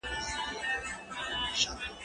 زه پرون سبزیجات جمع کړل،